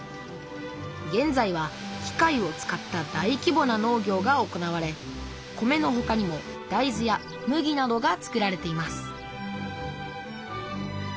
げんざいは機械を使った大きぼな農業が行われ米のほかにもだいずや麦などが作られています